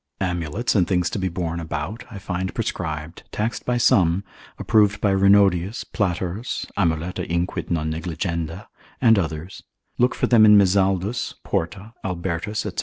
Amulets and things to be borne about, I find prescribed, taxed by some, approved by Renodeus, Platerus, (amuleta inquit non negligenda) and others; look for them in Mizaldus, Porta, Albertus, &c.